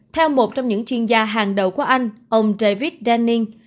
theo một trong những chuyên gia hàng đầu của anh ông david denning